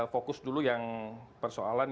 fokus dulu yang persoalan